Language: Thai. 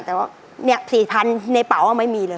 แต่ว่า๔๐๐๐ในเป๋าไม่มีเลย